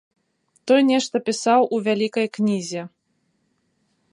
Той нешта пісаў у вялікай кнізе.